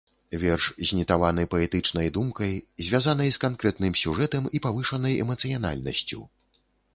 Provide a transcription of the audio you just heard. Верш знітаваны паэтычнай думкай, звязанай з канкрэтным сюжэтам і павышанай эмацыянальнасцю.